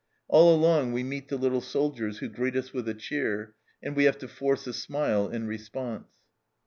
All along we meet the little soldiers who greet us with a cheer, and we have to force a smile in response."